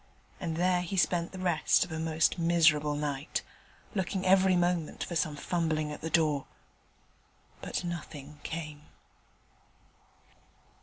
And there he spent the rest of a most miserable night, looking every moment for some fumbling at the door: but nothing came.